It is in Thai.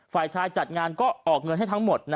ฝ่ายชายจัดงานก็ออกเงินให้ทั้งหมด